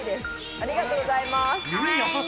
ありがとうございます。